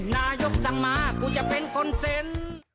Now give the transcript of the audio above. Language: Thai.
นายกสั่งมากูจะเป็นคนเซ็น